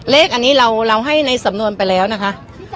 เลขอันนี้เราให้ในสำนวนไปแล้วนะคะ